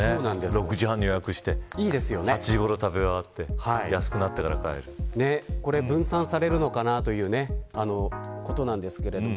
６時半に予約して８時ごろ食べ終わってこれ、分散されるのかなということなんですけれども